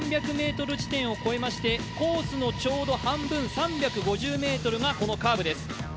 ３００ｍ地点を越えましてコースのちょうど半分、３５０ｍがこのカーブです。